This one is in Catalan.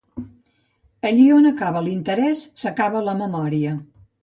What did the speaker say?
Allí on s'acaba l'interès, s'acaba la memòria.